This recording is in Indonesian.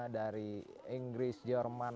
dari inggris jerman